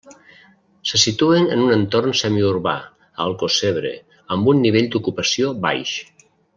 Se situen en un entorn semiurbà a Alcossebre, amb un nivell d'ocupació baix.